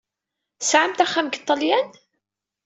Tesɛamt axxam deg Ṭṭalyan?